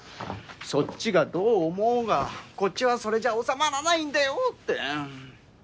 そっちがどう思おうがこっちはそれじゃ収まらないんだよって。